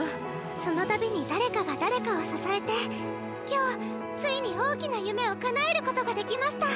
その度に誰かが誰かを支えて今日ついに大きな夢を叶えることができました。